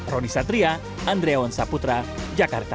roni satria andreawan saputra jakarta